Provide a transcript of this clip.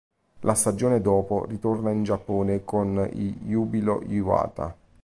La stagione dopo ritorna in Giappone con i Júbilo Iwata.